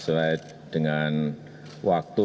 bahwa proyek ini akan selesai tepat waktu